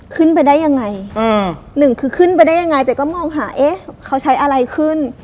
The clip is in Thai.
ขึ้นไปได้ยังไงอืมหนึ่งคือขึ้นไปได้ยังไงเจ๊ก็มองหาเอ๊ะเขาใช้อะไรขึ้น